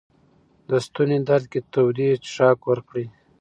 د ستوني درد کې تودې څښاک ورکړئ.